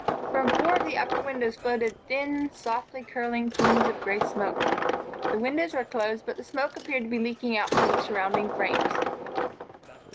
From four of the upper windows floated thin, softly curling plumes of gray smoke. The windows were closed, but the smoke appeared to be leaking out from the surrounding frames.